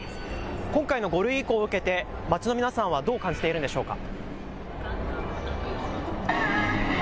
今回の５類移行を受けて街の皆さんはどう感じているんでしょうか。